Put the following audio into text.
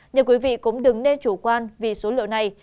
nhưng quý vị cũng đừng nên chủ quan vì số lượng này